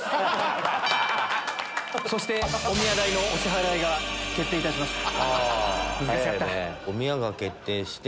おみや代のお支払いが決定いたしました。